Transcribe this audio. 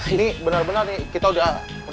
ini benar benar kita udah keren keren